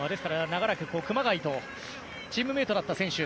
熊谷とチームメートだった選手。